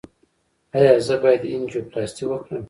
ایا زه باید انجیوپلاسټي وکړم؟